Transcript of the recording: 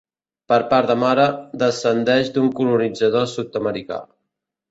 Per part de mare, descendeix d’un colonitzador sud-americà.